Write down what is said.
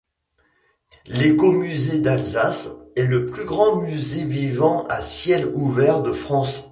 L’écomusée d’Alsace est le plus grand musée vivant à ciel ouvert de France.